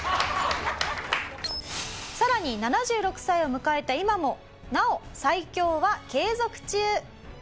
更に７６歳を迎えた今もなお最強は継続中。